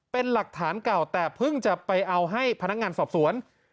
เป็นหลักฐานเก่าแต่เพิ่งจะไปเอาให้พนักงานสอบสวน